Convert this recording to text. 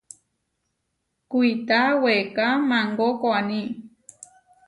Kuitá weeká maangó koaní.